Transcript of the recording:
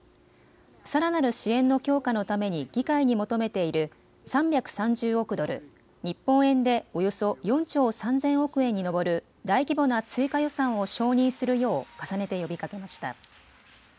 さらなる支援の強化のために議会に求めている３３０億ドル、日本円でおよそ４兆３０００億円に上る大規模な追加予算を承認するよう重ねて呼びかけました。